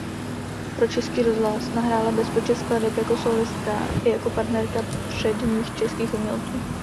Pro Český rozhlas nahrála bezpočet skladeb jako sólistka i jako partnerka předních českých umělců.